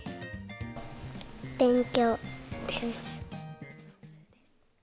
勉強です。